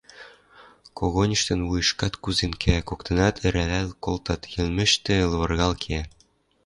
Когыньыштын вуйышкат кузен кеӓ, коктынат ӹрӓлӓл колтат, йӹлмӹштӹ лывыргал кеӓ.